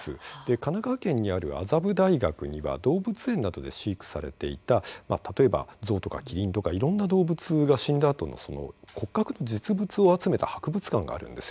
神奈川県にある麻布大学には動物園などで飼育されていた例えば、象とかキリンとかいろんな動物が死んだあとのその骨格の実物を集めた博物館があるんです。